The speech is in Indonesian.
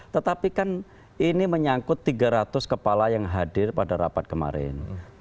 tetapi kan ini menyangkut tiga ratus kepala yang hadir pada rapat kemarin